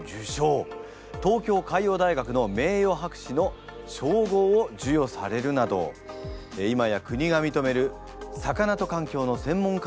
東京海洋大学の名誉博士の称号をじゅよされるなど今や国がみとめる魚と環境の専門家であります。